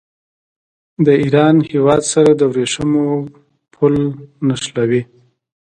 د ایران هېواد سره د ورېښمو پل نښلوي.